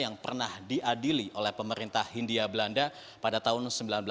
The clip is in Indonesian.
yang pernah diadili oleh pemerintah hindia belanda pada tahun seribu sembilan ratus sembilan puluh